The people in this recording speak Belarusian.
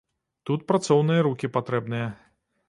Тут працоўныя рукі патрэбныя.